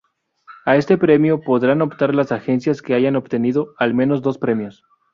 A este premio podrán optar las agencias que hayan obtenido al menos dos premios.